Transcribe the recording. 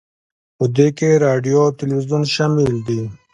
په دې کې راډیو او تلویزیون شامل دي